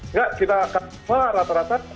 enggak kita rata rata